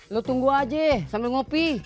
lo tunggu aja sambil ngopi